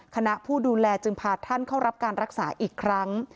คณะผู้ดูแลจึงพาท่านเข้ารับการรักษาอีกครั้ง